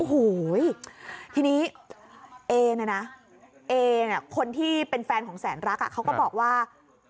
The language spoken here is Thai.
โอ้โหทีนี้เอเนี่ยนะเอเนี่ยคนที่เป็นแฟนของแสนรักเขาก็บอกว่า